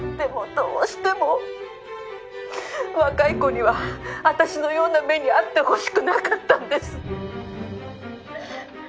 どうしても若い子には私のような目に遭ってほしくなかったんです」